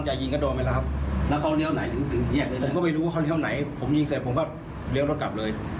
ผมยิงเสร็จผมก็เลี้ยวรถกลับเลยไม่ได้มองครับ